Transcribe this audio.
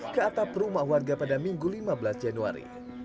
ke atap rumah warga pada minggu lima belas januari